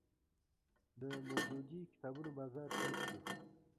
د مودودي کتابونو بازار تود شو